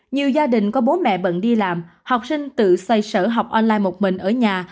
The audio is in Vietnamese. nhiều gia đình có bố mẹ bận đi làm học sinh tự xoay sở học online một mình ở nhà